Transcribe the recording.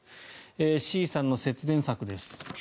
Ｃさんの節電策です。